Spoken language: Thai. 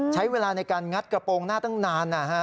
ใช้เวลาในการงัดกระโปรงหน้าตั้งนาน